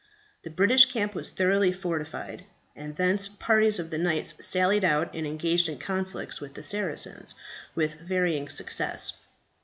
The British camp was thoroughly fortified, and thence parties of the knights sallied out and engaged in conflicts with the Saracens, with varying success.